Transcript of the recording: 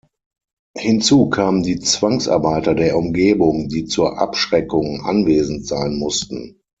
Hinzu kamen die Zwangsarbeiter der Umgebung, die zur „Abschreckung“ anwesend sein mussten.